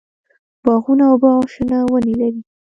باغونه اوبه او شنه ونې لري.